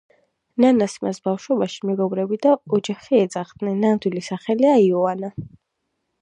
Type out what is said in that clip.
ნანას მას ბავშვობაში მეგობრები და ოჯახი ეძახდნენ, ნამდვილი სახელია იოანა.